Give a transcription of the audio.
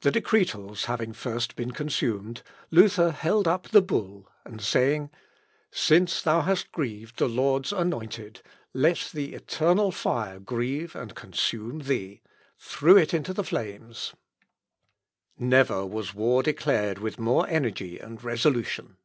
The Decretals having first been consumed, Luther held up the bull, and saying, "Since thou hast grieved the Lord's Anointed, let the eternal fire grieve and consume thee," threw it into the flames. Never was war declared with more energy and resolution.